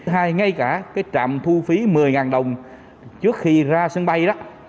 hay ngay cả cái trạm thu phí một mươi đồng trước khi ra sân bay đó